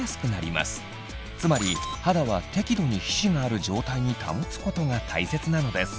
つまり肌は適度に皮脂がある状態に保つことが大切なのです。